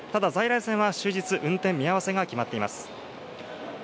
ただ在来線は終日運転見合わせが決まっています。